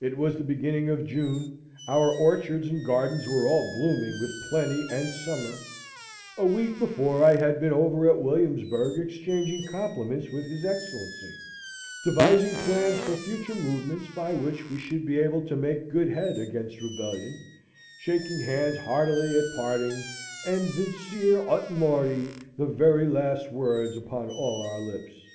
It was the beginning of June, our orchards and gardens were all blooming with plenty and summer; a week before I had been over at Williamsburg, exchanging compliments with his Excellency, devising plans for future movements by which we should be able to make good head against rebellion, shaking hands heartily at parting, and vincere aut mori the very last words upon all our lips.